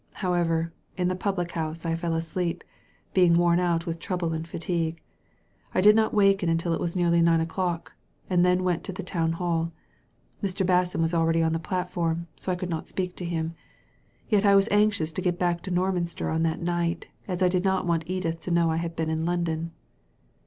However, in the public house I fell asleep, being worn out with trouble and fatigue. I did not waken until it was nearly nine o'clock, and then went to the Town Hall. Mr. Basson was already on the platform, so I could not speak to him. Yet I was anxious to get back to Norminster on that night, as I did not want Edith to know I had been in London."